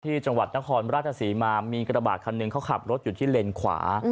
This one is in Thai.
จังหวัดนครราชศรีมามีกระบาดคันหนึ่งเขาขับรถอยู่ที่เลนขวา